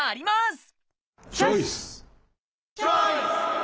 チョイス！